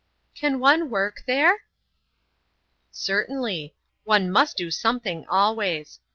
"Can one work there?" "Certainly. One must do something always.